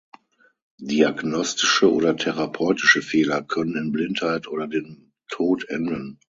Diagnostische oder therapeutische Fehler können in Blindheit oder dem Tod enden.